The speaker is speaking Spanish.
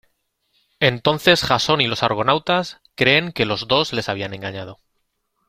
Entonces Jasón y los argonautas creen que los dos les habían engañado.